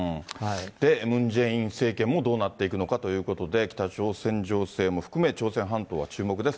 ムン・ジェイン政権もどうなっていくのかということで、北朝鮮情勢も含め、朝鮮半島は注目です。